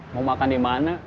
mau makan dimana